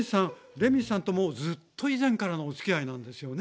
レミさんともうずっと以前からのおつきあいなんですよね。